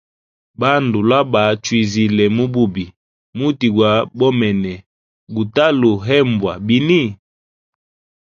Bandu lwa bachwizile mu bubi, muti gwa bomene gutalu hembwa bini?